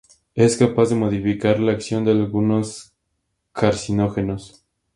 Es capaz de modificar la acción de algunos carcinógenos.